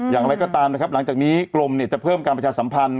อย่างไรก็ตามนะครับหลังจากนี้กรมจะเพิ่มการประชาสัมพันธ์